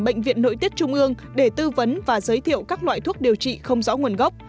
bệnh viện nội tiết trung ương để tư vấn và giới thiệu các loại thuốc điều trị không rõ nguồn gốc